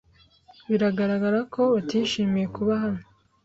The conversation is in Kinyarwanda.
Biragaragara ko batishimiye kuba hano.